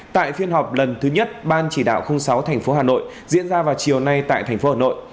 tại phiên họp lần thứ nhất ban chỉ đạo sáu tp hà nội diễn ra vào chiều nay tại tp hà nội